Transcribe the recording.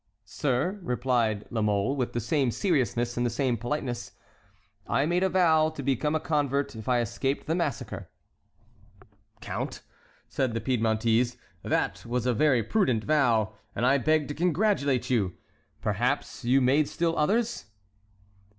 "Sir," replied La Mole, with the same seriousness and the same politeness, "I made a vow to become a convert if I escaped the massacre." "Count," said the Piedmontese, "that was a very prudent vow, and I beg to congratulate you. Perhaps you made still others?"